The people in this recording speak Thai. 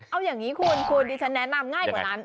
เอาอย่างนี้คุณคุณดิฉันแนะนำง่ายกว่านั้น